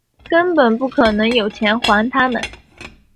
根本不可能有钱还他们